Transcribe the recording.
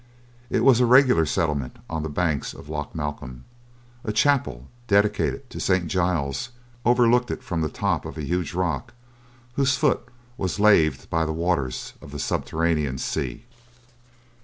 It was a regular settlement on the banks of Loch Malcolm. A chapel, dedicated to St. Giles, overlooked it from the top of a huge rock, whose foot was laved by the waters of the subterranean sea.